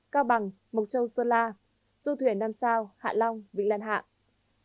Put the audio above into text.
cao bằng mộc châu sơn la du thuyền nam sao hạ long vĩnh lan hạng